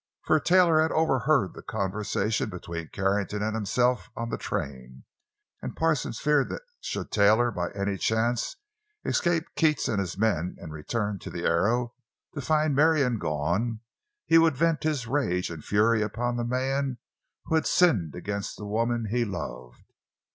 For Taylor had overheard the conversation between Carrington and himself on the train, and Parsons feared that should Taylor by any chance escape Keats and his men and return to the Arrow to find Marion gone, he would vent his rage and fury upon the man who had sinned against the woman he loved.